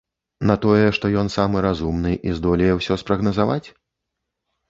На тое, што ён самы разумны і здолее ўсё спрагназаваць?